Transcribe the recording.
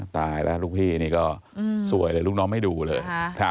ตายแล้วลูกพี่นี่ก็สวยเลยลูกน้องไม่ดูเลย